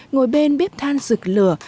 ngồi bên bếp than giựt lửa